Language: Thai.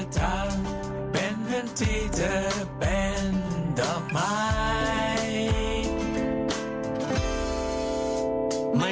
ทำันที่เธอทำ